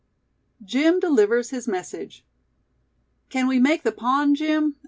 JIM DELIVERS HIS MESSAGE. "Can we make the pond, Jim?"